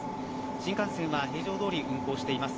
新幹線は平常どおり運行しています。